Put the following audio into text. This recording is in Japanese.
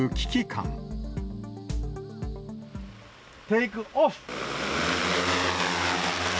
テイクオフ。